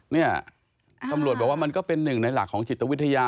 เนี่ยตำรวจบอกว่ามันก็เป็นหนึ่งในหลักของจิตวิทยา